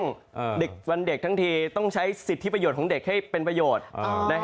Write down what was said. เด็กวันเด็กทั้งทีต้องใช้สิทธิประโยชน์ของเด็กให้เป็นประโยชน์